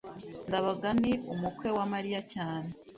ndabaga ni umukwe wa mariya cyane